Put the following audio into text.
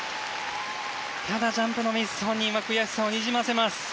ただ、ジャンプのミスに本人は悔しさをにじませます。